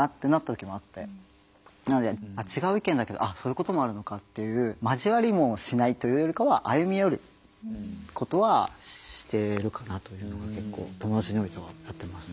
いうこともあるのかっていう交わりもしないというよりかは歩み寄ることはしてるかなというのが結構友達においてはやってます